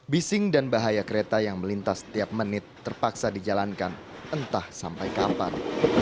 bising dan bahaya kereta yang melintas setiap menit terpaksa dijalankan entah sampai kapan